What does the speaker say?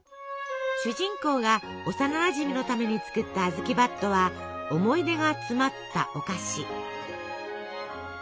主人公が幼なじみのために作った「あずきばっと」は思い出が詰まったお菓子。